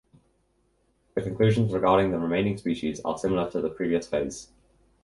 The conclusions regarding the remaining species are similar to the previous phase.